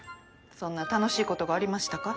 そんな楽しいことがありましたか？